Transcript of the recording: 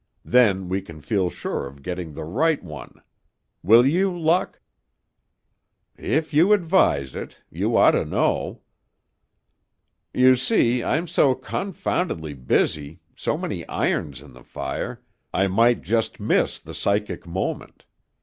Then we can feel sure of getting the right one. Will you, Luck?" "If you advise it. You ought to know." "You see, I'm so confoundedly busy, so many irons in the fire, I might just miss the psychic moment.